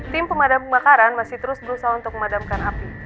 tim pemadam kebakaran masih terus berusaha untuk memadamkan api